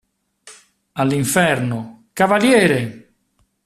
All'inferno, cavaliere!